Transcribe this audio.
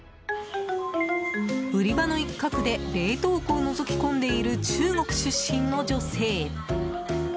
売り場の一角で冷凍庫をのぞき込んでいる中国出身の女性。